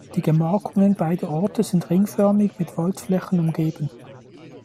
Die Gemarkungen beider Orte sind ringförmig mit Waldflächen umgeben.